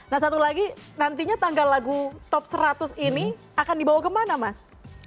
nah satu lagi nantinya tanggal lagu top seratus ini akan dibawa kemana mas